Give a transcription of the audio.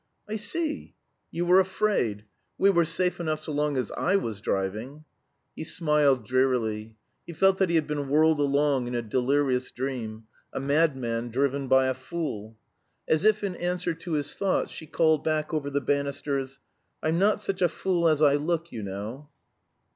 "I see you were afraid. We were safe enough so long as I was driving." He smiled drearily. He felt that he had been whirled along in a delirious dream a madman driven by a fool. As if in answer to his thoughts, she called back over the banisters "I'm not such a fool as I look, you know."